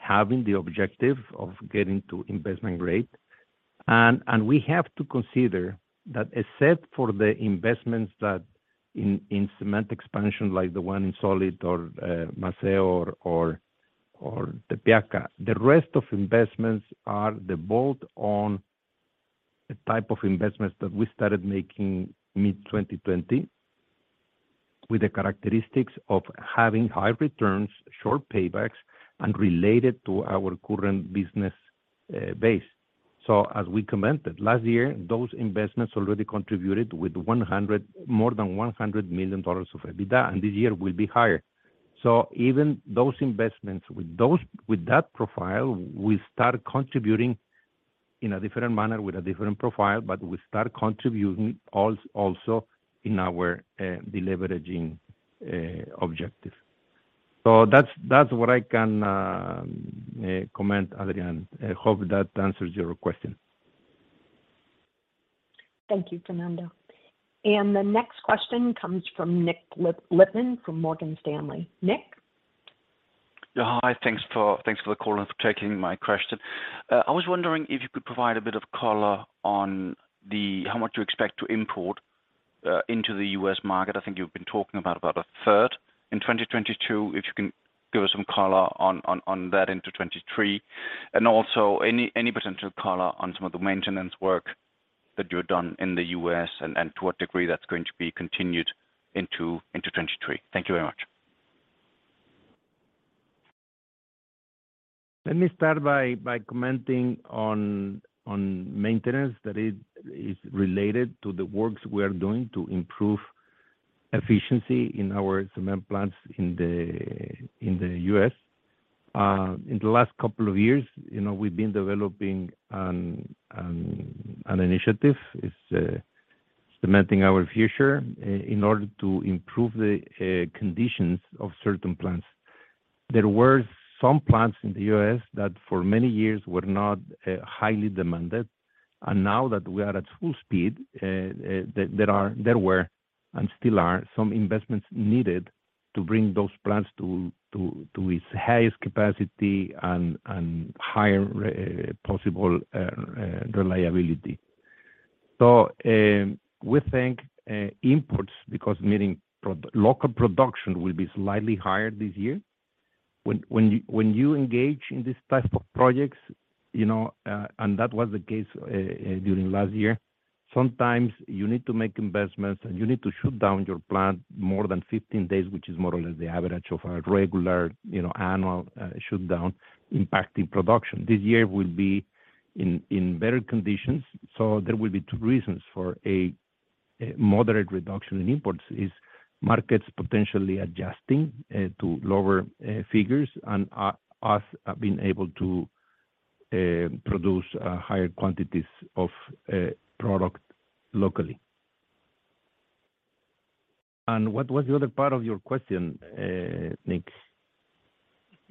having the objective of getting to investment grade. We have to consider that except for the investments that in cement expansion like the one in Solid or Maceo or Tepeaca, the rest of investments are the bolt-on type of investments that we started making mid-2020 with the characteristics of having high returns, short paybacks, and related to our current business base. As we commented, last year, those investments already contributed with more than $100 million of EBITDA, and this year will be higher. Even those investments with that profile will start contributing in a different manner with a different profile, but will start contributing also in our de-leveraging objective. That's, that's what I can comment, Adrián. I hope that answers your question. Thank you, Fernando. The next question comes from Nick Lippmann from Morgan Stanley. Nick? Yeah, hi. Thanks for the call and for taking my question. I was wondering if you could provide a bit of color on how much you expect to import into the U.S. market. I think you've been talking about a third in 2022. If you can give us some color on that into 2023. Also any potential color on some of the maintenance work that you had done in the U.S. and to what degree that's going to be continued into 2023. Thank you very much. Let me start by commenting on maintenance that is related to the works we are doing to improve efficiency in our cement plants in the U.S. In the last couple of years, you know, we've been developing an initiative. It's Cementing Our Future in order to improve the conditions of certain plants. There were some plants in the U.S. that for many years were not highly demanded. Now that we are at full speed, there were, and still are, some investments needed to bring those plants to its highest capacity and higher possible reliability. We think imports, because meaning local production will be slightly higher this year. When you engage in this type of projects, you know, and that was the case during last year, sometimes you need to make investments, and you need to shut down your plant more than 15 days, which is more or less the average of our regular, you know, annual shutdown impacting production. This year will be in better conditions. There will be two reasons for a moderate reduction in imports is markets potentially adjusting to lower figures and us being able to produce higher quantities of product locally. What was the other part of your question, Nick?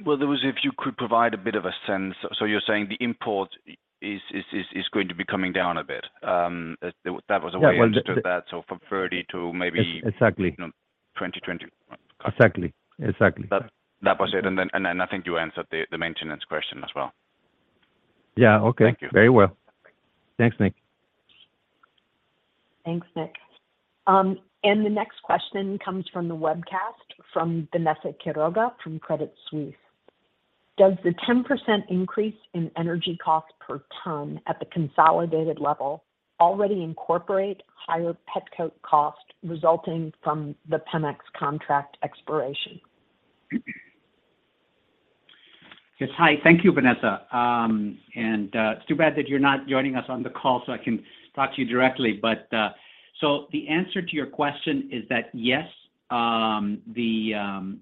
Well, there was if you could provide a bit of a sense. You're saying the import is going to be coming down a bit. That was a way. Yeah. Well. I understood that, so from 30 to maybe- Ex-exactly. 2020. Exactly. Exactly. That was it. I think you answered the maintenance question as well. Yeah. Okay. Thank you. Very well. Thanks, Nick. Thanks, Nick. The next question comes from the webcast from Vanessa Quiroga, from Credit Suisse. Does the 10% increase in energy cost per ton at the consolidated level already incorporate higher petcoke cost resulting from the Pemex contract expiration? Yes. Hi. Thank you, Vanessa. It's too bad that you're not joining us on the call, so I can talk to you directly. The answer to your question is that yes, the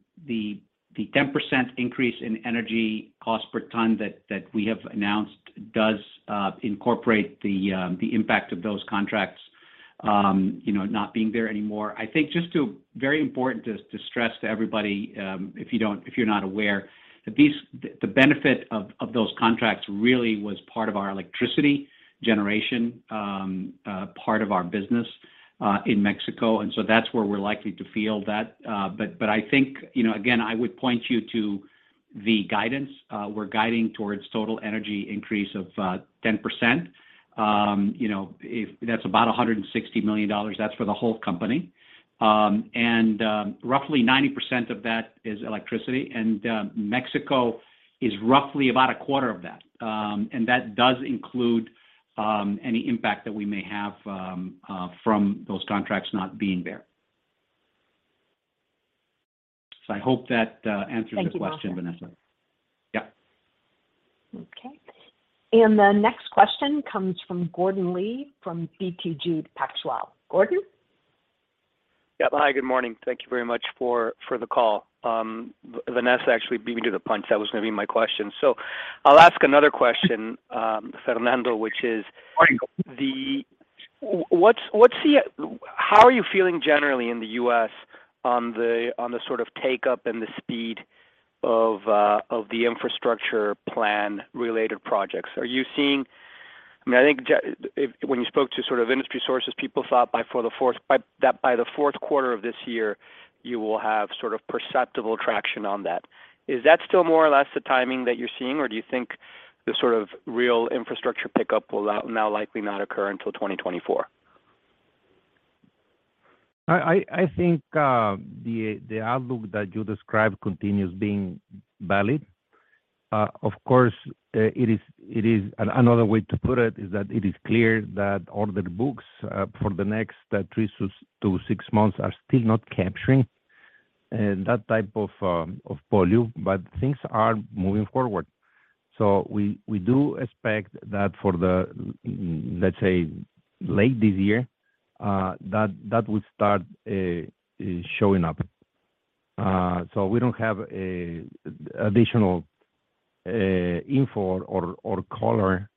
10% increase in energy cost per ton that we have announced does incorporate the impact of those contracts not being there anymore. I think just very important to stress to everybody, if you don't, if you're not aware, that the benefit of those contracts really was part of our electricity generation part of our business in Mexico, and so that's where we're likely to feel that. But I think, you know, again, I would point you to the guidance. We're guiding towards total energy increase of 10%. you know, that's about $160 million. That's for the whole company. Roughly 90% of that is electricity. Mexico is roughly about a quarter of that. That does include any impact that we may have from those contracts not being there. I hope that answers the question, Vanessa. Thank you, Maher. Yeah. Okay. The next question comes from Gordon Lee, from BTG Pactual. Gordon? Yeah. Hi, good morning. Thank you very much for the call. Vanessa actually beat me to the punch. That was gonna be my question. I'll ask another question, Fernando, which is. Morning What's the... How are you feeling generally in the U.S. on the, on the sort of take-up and the speed of the infrastructure plan-related projects? Are you seeing? I mean, I think when you spoke to sort of industry sources, people thought by the fourth quarter of this year, you will have sort of perceptible traction on that. Is that still more or less the timing that you're seeing, or do you think the sort of real infrastructure pickup will now likely not occur until 2024? I think the outlook that you described continues being valid. Of course, it is another way to put it is that it is clear that order books for the next three to six months are still not capturing that type of volume, but things are moving forward. We do expect that for the, let's say, late this year, that would start showing up. We don't have additional info or color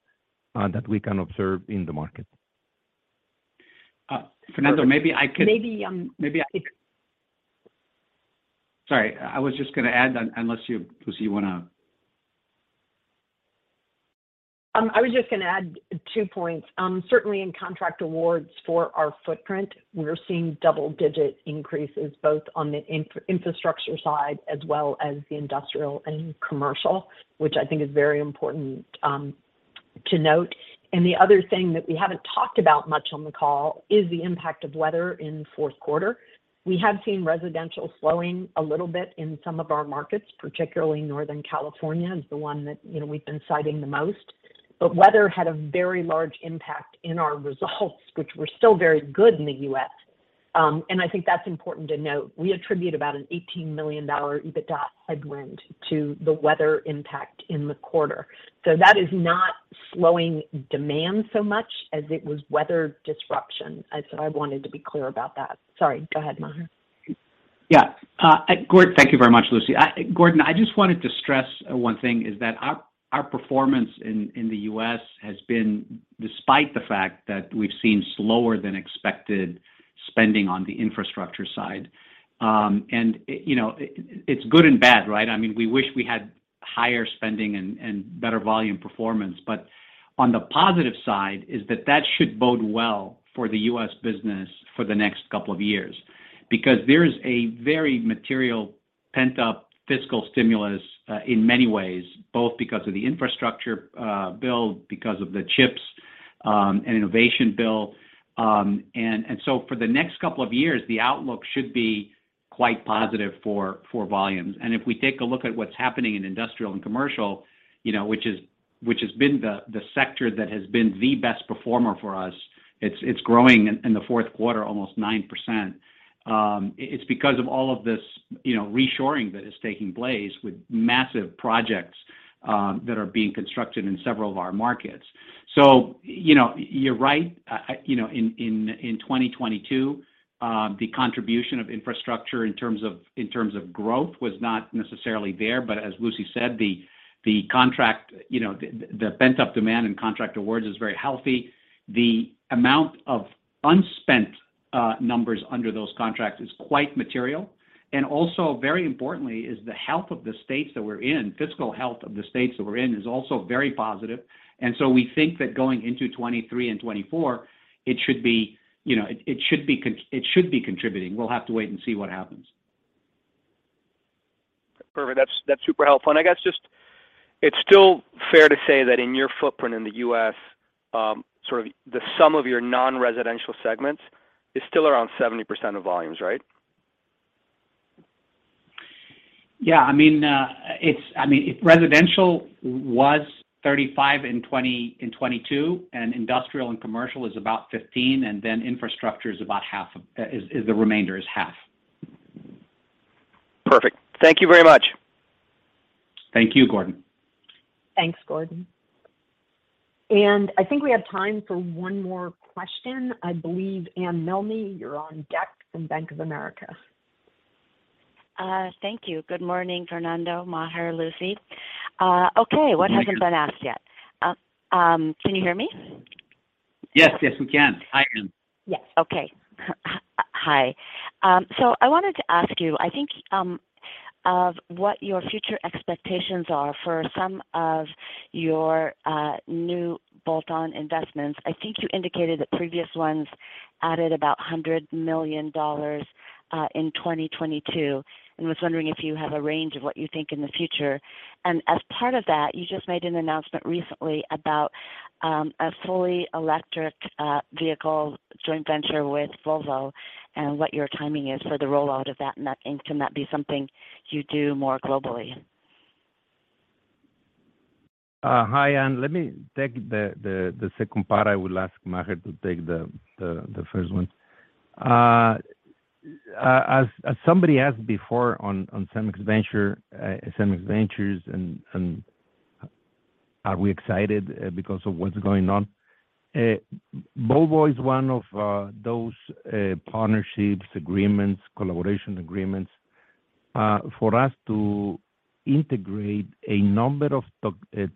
that we can observe in the market. Fernando, maybe. Maybe. Maybe I Sorry, I was just gonna add unless you, Lucy, wanna? I was just gonna add two points. Certainly in contract awards for our footprint, we're seeing double-digit increases both on the infrastructure side as well as the industrial and commercial, which I think is very important to note. The other thing that we haven't talked about much on the call is the impact of weather in fourth quarter. We have seen residential slowing a little bit in some of our markets, particularly Northern California, is the one that, you know, we've been citing the most. Weather had a very large impact in our results, which were still very good in the U.S. I think that's important to note. We attribute about an $18 million EBITDA headwind to the weather impact in the quarter. That is not slowing demand so much as it was weather disruption. I said I wanted to be clear about that. Sorry, go ahead, Maher. Thank you very much, Lucy. Gordon, I just wanted to stress one thing is that our performance in the U.S. has been despite the fact that we've seen slower than expected spending on the Infrastructure side. You know, it's good and bad, right? I mean, we wish we had higher spending and better volume performance. On the positive side is that should bode well for the U.S. business for the next couple of years. There is a very material pent-up fiscal stimulus in many ways, both because of the Infrastructure bill, because of the CHIPS, and innovation bill. For the next couple of years, the outlook should be quite positive for volumes. If we take a look at what's happening in industrial and commercial, you know, which has been the sector that has been the best performer for us, it's growing in the fourth quarter almost 9%. It's because of all of this, you know, reshoring that is taking place with massive projects that are being constructed in several of our markets. You know, you're right. You know, in 2022, the contribution of infrastructure in terms of growth was not necessarily there. As Lucy said, the contract, you know, the pent-up demand and contract awards is very healthy. The amount of unspent numbers under those contracts is quite material. Also, very importantly, is the health of the states that we're in, fiscal health of the states that we're in is also very positive. We think that going into 2023 and 2024, you know, it should be contributing. We'll have to wait and see what happens. Perfect. That's, that's super helpful. I guess just it's still fair to say that in your footprint in the U.S., sort of the sum of your non-residential segments is still around 70% of volumes, right? Yeah. I mean, I mean, residential was 35 in 2022. Industrial and commercial is about 15. Then infrastructure is about half of, is the remainder, is half. Perfect. Thank you very much. Thank you, Gordon. Thanks, Gordon. I think we have time for one more question. I believe Anne Milne, you're on deck from Bank of America. Thank you. Good morning, Fernando, Maher, Lucy. Okay. Good morning. What hasn't been asked yet? Can you hear me? Yes. Yes, we can. Hi, Anne. Yes. Okay. Hi. I wanted to ask you, I think, of what your future expectations are for some of your new bolt-on investments. I think you indicated that previous ones added about $100 million in 2022. Was wondering if you have a range of what you think in the future. As part of that, you just made an announcement recently about a fully electric vehicle joint venture with Volvo, and what your timing is for the rollout of that. Can that be something you do more globally? Hi, Anne. Let me take the second part. I will ask Maher to take the first one. As somebody asked before on Cemex Ventures, and are we excited because of what's going on. Volvo Trucks is one of those partnerships, agreements, collaboration agreements for us to integrate a number of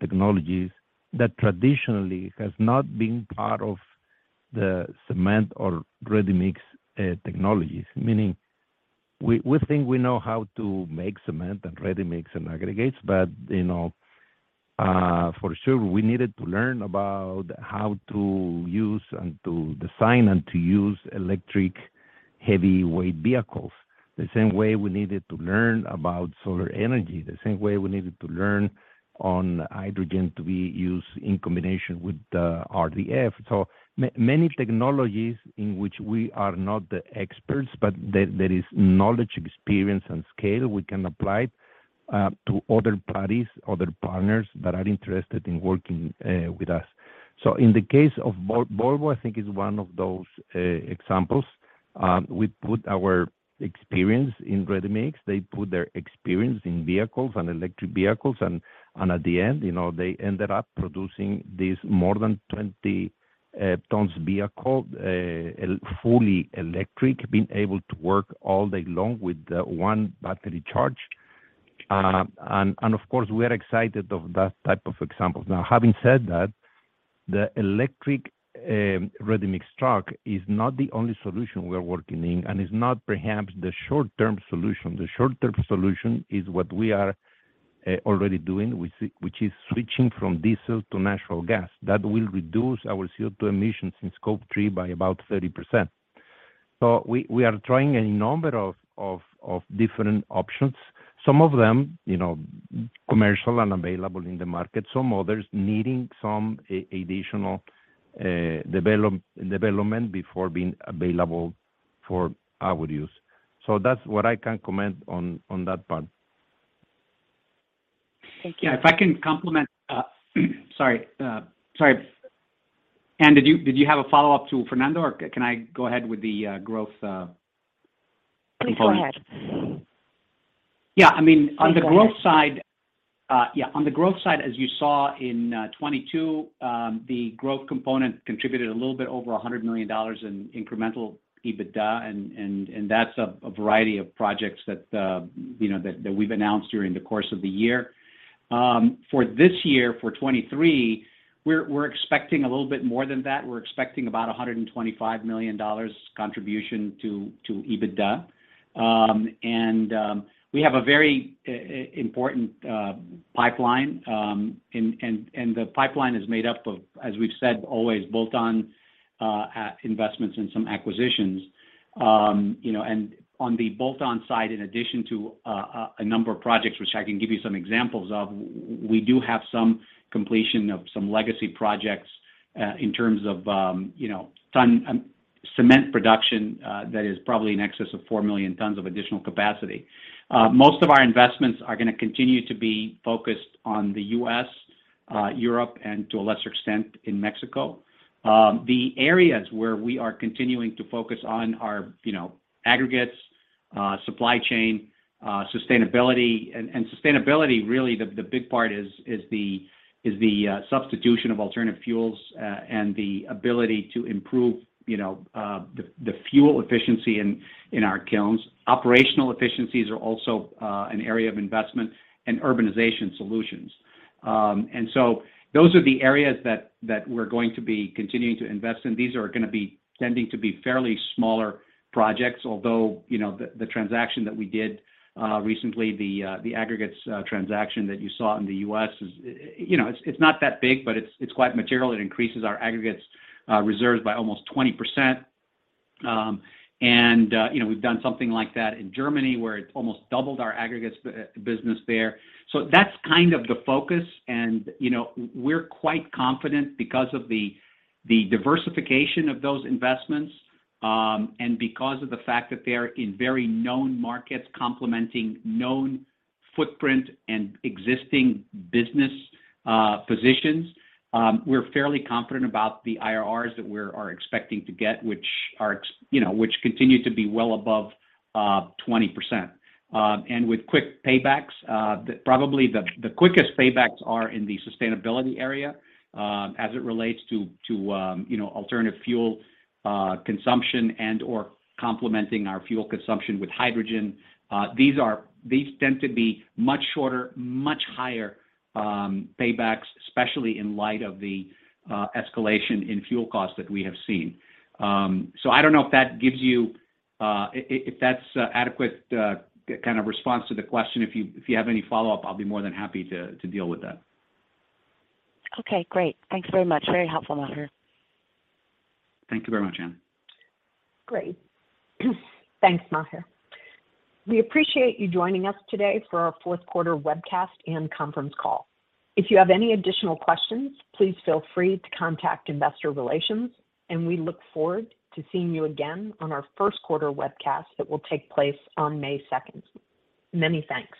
technologies that traditionally has not been part of the cement or ready-mix technologies. Meaning we think we know how to make cement and ready-mix and aggregates, but, you know, for sure we needed to learn about how to use and to design and to use electric heavyweight vehicles, the same way we needed to learn about solar energy, the same way we needed to learn on hydrogen to be used in combination with the RDF. Many technologies in which we are not the experts, but there is knowledge, experience, and scale we can apply to other parties, other partners that are interested in working with us. In the case of Volvo, I think is one of those examples. We put our experience in ready-mix, they put their experience in vehicles and electric vehicles, and at the end, you know, they ended up producing this more than 20 tons vehicle, fully electric, being able to work all day long with one battery charge. And of course, we're excited of that type of examples. Having said that, the electric ready-mix truck is not the only solution we are working in, and it's not perhaps the short-term solution. The short-term solution is what we are already doing, which is switching from diesel to natural gas. That will reduce our CO₂ emissions in Scope 3 by about 30%. We are trying a number of different options. Some of them, you know, commercial and available in the market, some others needing some additional development before being available for our use. That's what I can comment on that part. Thank you. Yeah, if I can complement, sorry. Anne, did you have a follow-up to Fernando, or can I go ahead with the growth component? Please go ahead. I mean, on the growth side, as you saw in 2022, the growth component contributed a little bit over $100 million in incremental EBITDA and that's a variety of projects that, you know, that we've announced during the course of the year. For this year, for 2023, we're expecting a little bit more than that. We're expecting about $125 million contribution to EBITDA. We have a very important pipeline, and the pipeline is made up of, as we've said always, bolt-on investments and some acquisitions. You know, on the bolt-on side, in addition to a number of projects which I can give you some examples of, we do have some completion of some legacy projects, in terms of, you know, ton cement production, that is probably in excess of 4 million tons of additional capacity. Most of our investments are gonna continue to be focused on the U.S., Europe, and to a lesser extent, in Mexico. The areas where we are continuing to focus on are, you know, aggregates, supply chain, sustainability. Sustainability really the big part is the substitution of alternative fuels, and the ability to improve, you know, the fuel efficiency in our kilns. Operational efficiencies are also an area of investment and Urbanization Solutions. Those are the areas that we're going to be continuing to invest in. These are gonna be tending to be fairly smaller projects, although, you know, the transaction that we did recently, the aggregates transaction that you saw in the U.S. is, you know, it's not that big, but it's quite material. It increases our aggregates reserves by almost 20%. You know, we've done something like that in Germany, where it almost doubled our aggregates business there. That's kind of the focus. You know, we're quite confident because of the diversification of those investments, and because of the fact that they're in very known markets complementing known footprint and existing business positions. We're fairly confident about the IRRs that we're expecting to get, you know, which continue to be well above 20%. With quick paybacks, probably the quickest paybacks are in the sustainability area, as it relates to, you know, alternative fuel consumption and or complementing our fuel consumption with hydrogen. These tend to be much shorter, much higher paybacks, especially in light of the escalation in fuel costs that we have seen. I don't know if that gives you, if that's a adequate kind of response to the question. If you have any follow-up, I'll be more than happy to deal with that. Okay, great. Thanks very much. Very helpful, Maher. Thank you very much, Anne. Great. Thanks, Maher. We appreciate you joining us today for our fourth quarter webcast and conference call. If you have any additional questions, please feel free to contact investor relations. We look forward to seeing you again on our first quarter webcast that will take place on May second. Many thanks.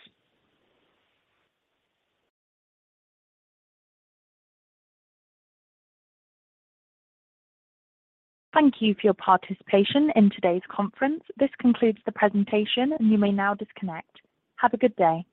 Thank you for your participation in today's conference. This concludes the presentation, and you may now disconnect. Have a good day.